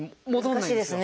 難しいですね。